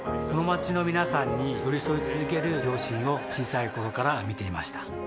この街の皆さんに寄り添い続ける両親を小さい頃から見ていました